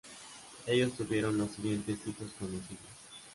Ellos tuvieron los siguientes hijos conocidos;